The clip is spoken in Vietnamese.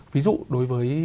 ví dụ đối với